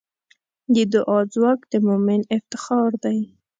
د دعا ځواک د مؤمن افتخار دی.